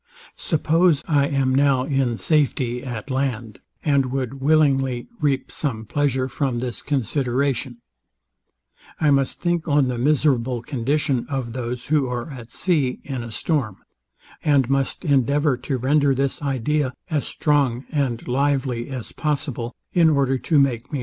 Suppose I am now in safety at land, and would willingly reap some pleasure from this consideration: I must think on the miserable condition of those who are at sea in a storm, and must endeavour to render this idea as strong and lively as possible, in order to make me more sensible of my own happiness.